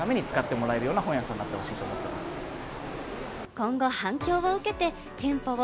今後、反響を受けて、店舗を